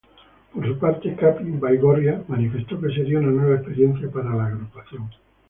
Por su parte Capi Baigorria manifestó que sería una nueva experiencia para la agrupación.